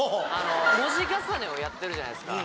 文字重ねをやってるじゃないですか。